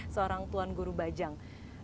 seorang tuhan guru bajang